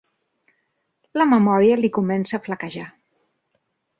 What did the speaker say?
La memòria li comença a flaquejar.